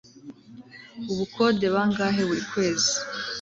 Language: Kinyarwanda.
ubukode bangahe buri kwezi